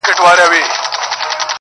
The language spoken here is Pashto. چوپتيا تر ټولو درنه ښکاري ډېر,